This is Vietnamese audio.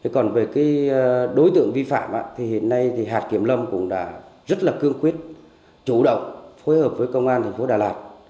còn về đối tượng vi phạm thì hiện nay thì hạt kiểm lâm cũng đã rất là cương quyết chủ động phối hợp với công an thành phố đà lạt